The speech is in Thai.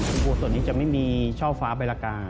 อุโบส่วนนี้จะไม่มีช่อฟ้าใบละกา